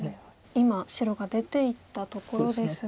今白が出ていったところですが。